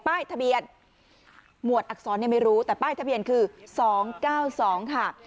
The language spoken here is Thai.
ป้ายทะเบียนหมวดอักษรยังไม่รู้แต่ป้ายทะเบียนคือ๒๙๒ค่ะ